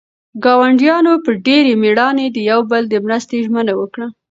ګاونډیانو په ډېرې مېړانې د یو بل د مرستې ژمنه وکړه.